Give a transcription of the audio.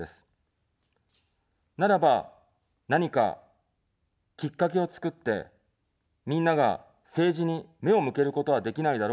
ならば、何か、きっかけを作って、みんなが政治に目を向けることはできないだろうか。